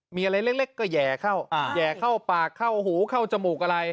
มีอะไรเล็กก็แห่เข้าแหย่เข้าปากเข้าหูเข้าจมูกอะไร